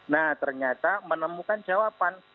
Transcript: nah ternyata menemukan jawaban